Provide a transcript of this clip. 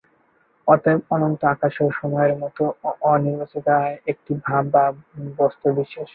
অতএব অনন্ত আকাশও সময়ের মত অনির্বচনীয় একটি ভাব বা বস্তুবিশেষ।